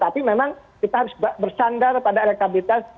tapi memang kita harus bersandar pada elektabilitas